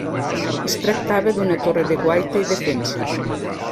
Es tractava d'una torre de guaita i defensa.